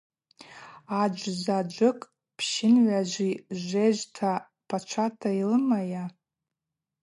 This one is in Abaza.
Аджвзаджвыкӏ пщынгӏважви жвежвта пачвата йлыманйа.